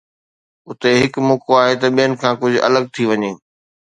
اتي هڪ موقعو آهي ته ٻين کان ڪجهه الڳ ٿي وڃي